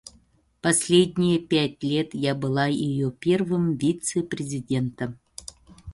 Последние пять лет я была её первым вице-президентом.